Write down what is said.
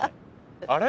あれ？